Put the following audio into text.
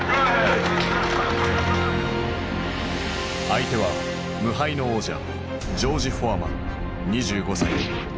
相手は無敗の王者ジョージ・フォアマン２５歳。